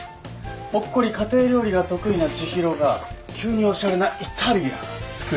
ほっこり家庭料理が得意な知博が急におしゃれなイタリアン作りたいなんて。